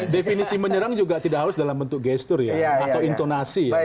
definisi menyerang juga tidak harus dalam bentuk gestur ya atau intonasi